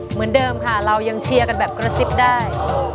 เหมือนเดิมค่ะเรายังเชียร์กันแบบกระซิบได้